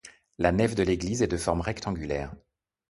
La nef de l'église est de forme rectangulaire.